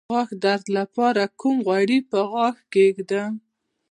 د غاښ درد لپاره کوم غوړي په غاښ کیږدم؟